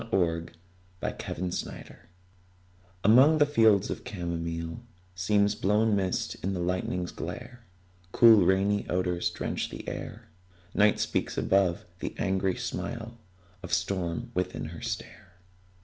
THE WINDOW ON THE HILL Among the fields the camomile Seems blown mist in the lightning's glare: Cool, rainy odors drench the air; Night speaks above; the angry smile Of storm within her stare.